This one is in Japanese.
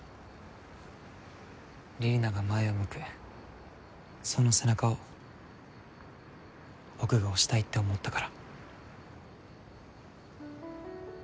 李里奈が前を向くその背中を僕が押したいって思ったから。